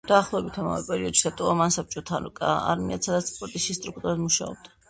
დაახლოებით ამავე პერიოდში დატოვა მან საბჭოთა არმიაც, სადაც სპორტის ინსტრუქტორად მუშაობდა.